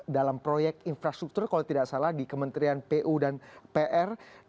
dalam proyek infrastruktur kalau tidak salah di kementerian pu dan pr